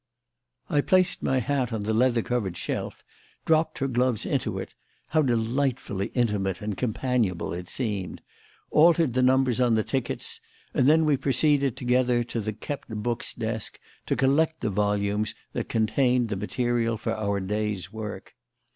I placed my hat on the leather covered shelf, dropped her gloves into it how delightfully intimate and companionable it seemed! altered the numbers on the tickets, and then we proceeded together to the "kept books" desk to collect the volumes that contained the material for our day's work.